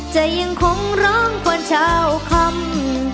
ใจยังคงร้องควรเช้าคำ